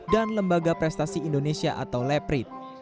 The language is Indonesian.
dan lembaga prestasi indonesia atau leprit